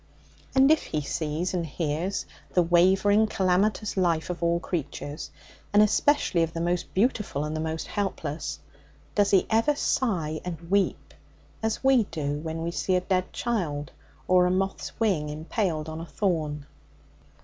And if He sees and hears the wavering, calamitous life of all creatures, and especially of the most beautiful and the most helpless, does He ever sigh and weep, as we do when we see a dead child or a moth's wing impaled on a thorn?